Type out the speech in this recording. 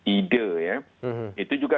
ide ya itu juga